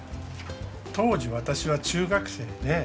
当時、私は中学生で。